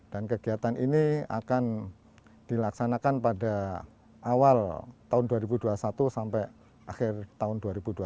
dan kegiatan ini akan dilaksanakan pada awal tahun dua ribu dua puluh satu sampai akhir tahun dua ribu dua puluh satu